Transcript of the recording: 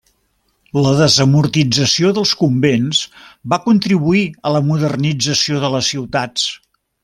La desamortització dels convents va contribuir a la modernització de les ciutats.